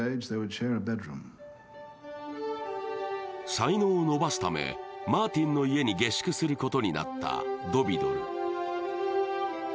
才能を伸ばすためマーティンの家に下宿することになったドヴィドル。